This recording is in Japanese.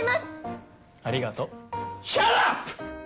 ありがとうシャラップ！